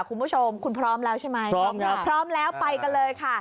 คุณผู้ชมคุณพร้อมแล้วใช่ไหมพร้อมแล้วพร้อมแล้วไปกันเลยค่ะ